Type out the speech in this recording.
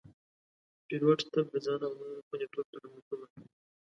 پیلوټ تل د ځان او نورو خوندیتوب ته لومړیتوب ورکوي.